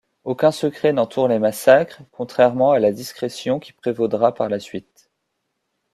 Aucun secret n’entoure les massacres, contrairement à la discrétion qui prévaudra par la suite.